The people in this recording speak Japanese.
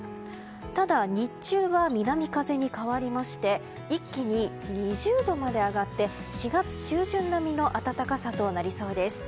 ただ、日中は南風に変わりまして一気に２０度まで上がって４月中旬並みの暖かさとなりそうです。